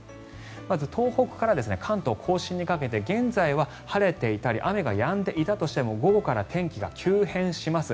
まず東北から関東・甲信にかけて現在は晴れていたり雨がやんでいたりしても午後から天気が急変します。